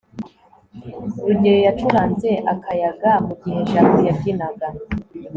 rugeyo yacuranze akayaga mugihe jabo yabyinaga